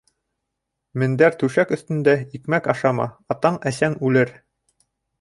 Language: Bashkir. Мендәр-түшәк өҫтөндә икмәк ашама, атаң-әсәң үлер.